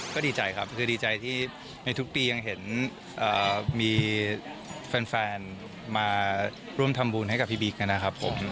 ก็ดีใจครับคือดีใจที่ในทุกปียังเห็นมีแฟนมาร่วมทำบุญให้กับพี่บิ๊กนะครับผม